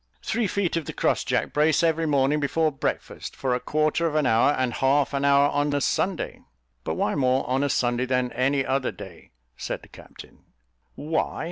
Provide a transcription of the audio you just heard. "Three feet of the cross jack brace every morning before breakfast, for a quarter of an hour, and half an hour on a Sunday." "But why more on a Sunday than any other day?" said the captain. "Why?"